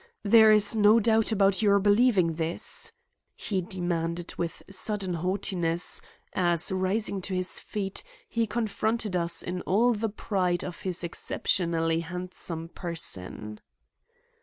There is no doubt about your believing this?" he demanded with sudden haughtiness, as, rising to his feet, he confronted us in all the pride of his exceptionally handsome person.